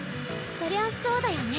そりゃそうだよね。